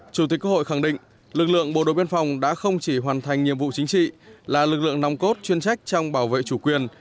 chủ tịch quốc hội khẳng định lực lượng bộ đội biên phòng đã không chỉ hoàn thành nhiệm vụ chính trị là lực lượng nòng cốt chuyên trách trong bảo vệ chủ quyền